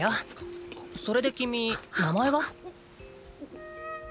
それで君名前は？